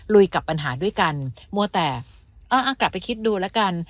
กับปัญหาด้วยกันมัวแต่กลับไปคิดดูแล้วกัน